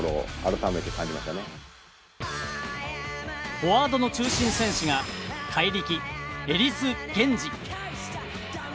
フォワードの中心選手が怪力、エリス・ゲンジ。